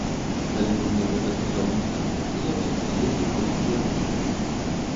Калі б мне гэта сказаў мужчына, то я б яму з'ездзіў па фізіяноміі.